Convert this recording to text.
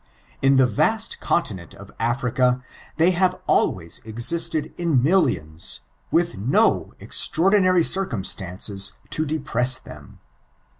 In the vast continent of Africa they have alwaya existed in millinns, with do extraordinary circumstances to depress them.